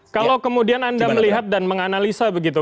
kalau kemudian anda melihat dan menganalisa begitu